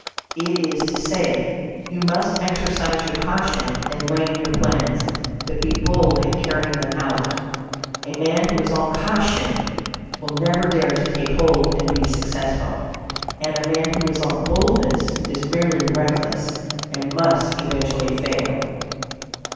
It is to say; "you must exercise your caution in laying your plans, but be bold in carrying them out." A man who is all caution, will never dare to take hold and be successful; and a man who is all boldness, is merely reckless, and must eventually fail.